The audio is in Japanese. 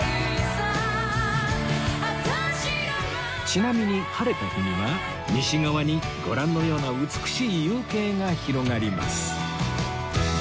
ちなみに晴れた日には西側にご覧のような美しい夕景が広がります